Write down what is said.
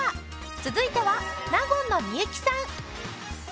続いては納言の幸さん。